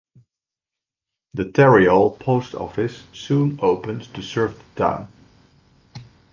The Tarryall Post Office soon opened to serve the town.